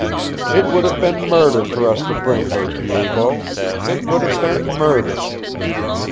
"It would have been murder for us to bring her, Pied Bot. It would have been murder!"